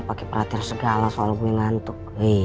pakai perhatian segala soal gue ngantuk